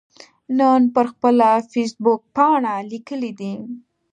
نن پر خپله فیسبوکپاڼه لیکلي دي